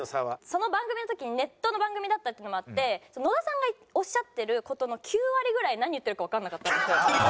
その番組の時ネットの番組だったっていうのもあって野田さんがおっしゃってる事の９割ぐらい何言ってるかわかんなかったんですよ。